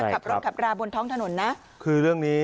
ขับรถขับราบนท้องถนนนะคือเรื่องนี้